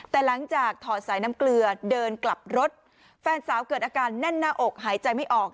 แต่หลังจากถอดสายน้ำเกลือเดินกลับรถแฟนสาวเกิดอาการแน่นหน้าอกหายใจไม่ออก